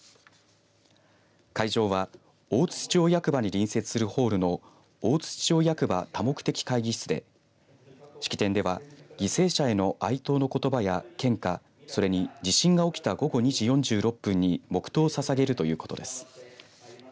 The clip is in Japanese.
会場は大槌町役場に隣接するホールの大槌町役場多目的会議室で式典では犠牲者への哀悼の言葉や献花、それに地震が起きた午後２時４６分に黙とうをささげるということです。